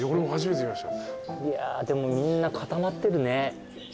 いやでもみんな固まってるね。